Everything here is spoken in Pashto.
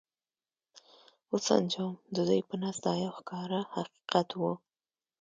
و سنجوم، د دوی په نزد دا یو ښکاره حقیقت و.